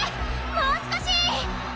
もう少し！